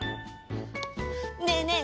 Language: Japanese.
ねえねえ